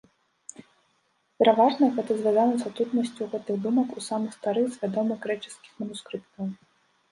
Пераважна, гэта звязана з адсутнасцю гэтых думак у самых старых з вядомых грэчаскіх манускрыптаў.